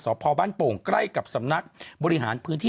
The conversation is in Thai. พ่อบ้านโป่งใกล้กับสำนักบริหารพื้นที่